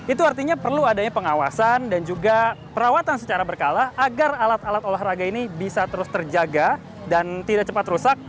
itu artinya perlu adanya pengawasan dan juga perawatan secara berkala agar alat alat olahraga ini bisa terus terjaga dan tidak cepat rusak